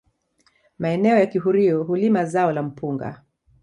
Maeneo ya kihurio hulima zao la mpunga